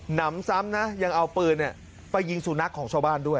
นำซ้ำนะยังเอาปืนไปยิงสุนัขของชาวบ้านด้วย